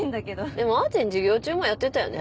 でもあーちん授業中もやってたよね？